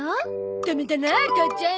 ダメだな母ちゃん。